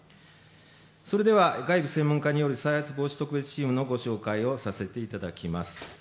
それでは外部専門家による再発防止特別チームのご紹介をさせていただきます。